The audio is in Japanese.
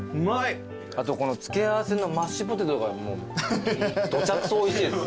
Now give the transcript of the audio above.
あとこの付け合わせのマッシュポテトがどちゃくそおいしいです。